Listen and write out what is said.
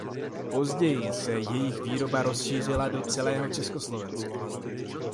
Později se jejich výroba rozšířila do celého Československa.